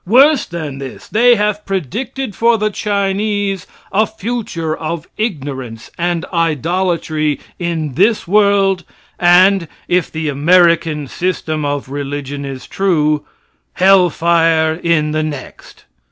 Worse than this, they have predicted for the Chinese a future of ignorance and idolatry in this world, and, if the "American system" of religion us true, hellfire in the next.